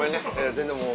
全然もう。